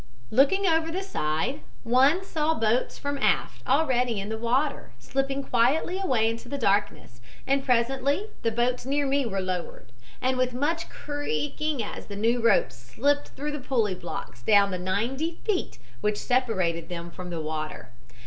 "Looking over the side, one saw boats from aft already in the water, slipping quietly away into the darkness, and presently the boats near me were lowered, and with much creaking as the new ropes slipped through the pulley blocks down the ninety feet which separated them from the water.